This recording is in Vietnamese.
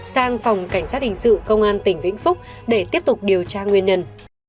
sang phòng cảnh sát hình sự công an tỉnh vĩnh phúc để tiếp tục điều tra nguyên nhân